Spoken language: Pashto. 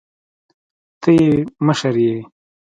ته يې مشر يې.